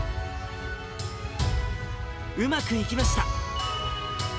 うまくいきました。